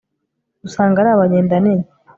usanga ari abanyendanini